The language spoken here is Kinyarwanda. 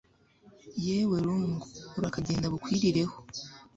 yewe rungu urakagenda bukwirireho